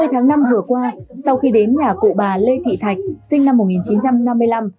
hai mươi tháng năm vừa qua sau khi đến nhà cụ bà lê thị thạch sinh năm một nghìn chín trăm năm mươi năm